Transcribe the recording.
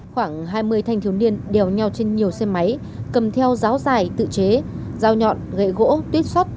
khoảng hai mươi thanh thiếu niên đèo nhau trên nhiều xe máy cầm theo ráo dài tự chế rào nhọn gậy gỗ tuyết xót